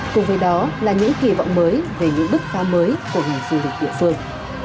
cùng với đó là những kỳ vọng mới về những bước phá mới của ngành du lịch địa phương